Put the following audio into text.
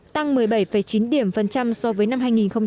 tăng một mươi bảy chín điểm phần trăm so với năm hai nghìn một mươi bảy